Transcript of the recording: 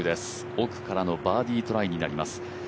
奥からのバーディートライになります。